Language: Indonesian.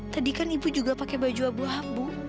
tadi kan ibu juga pakai baju abu abu